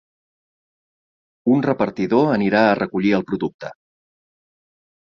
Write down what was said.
Un repartidor anirà a recollir el producte.